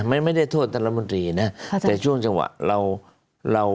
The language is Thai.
ไม่ได้โทษตลาดมนตรีนะแต่ช่วงจังหวะเรา